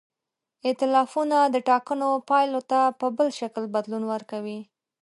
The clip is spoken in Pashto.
ایتلافونه د ټاکنو پایلو ته په بل شکل بدلون ورکوي.